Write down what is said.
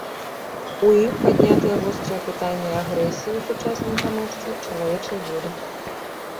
У ім паднятыя вострыя пытанні агрэсіі ў сучасным грамадстве, чалавечай волі.